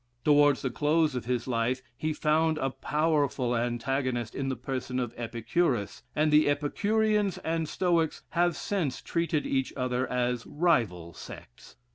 Towards the close of his life, he found a powerful antagonist in the person of Epicurus, and the Epicureans and Stoics have since treated each other as rival sects.